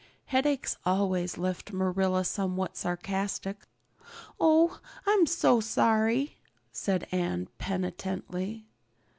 Headaches always left Marilla somewhat sarcastic. "Oh, I'm so sorry," said Anne penitently.